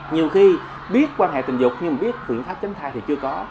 nhiều khi biết quan hệ tình dục nhưng mà biết biện pháp chống thai thì chưa có